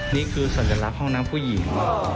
นี่คือสัญลักษณ์ห้องน้ำผู้หญิง